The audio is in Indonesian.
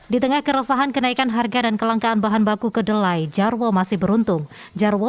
di tengah keresahan kenaikan harga dan kelangkaan bahan baku kedelai jarwo masih beruntung jarwo